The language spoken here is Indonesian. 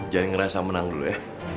ngerasa menang dulu ya